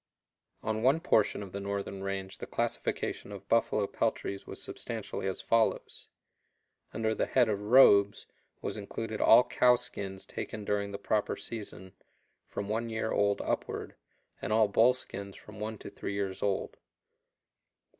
On one portion of the northern range the classification of buffalo peltries was substantially as follows: Under the head of robes was included all cow skins taken during the proper season, from one year old upward, and all bull skins from one to three years old.